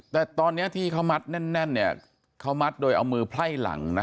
แต่ตอนนี้ที่เขามัดแน่นเนี่ยเขามัดโดยเอามือไพ่หลังนะ